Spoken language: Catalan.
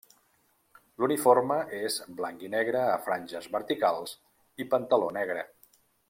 L'uniforme és blanc i negre a franges verticals i pantaló negre.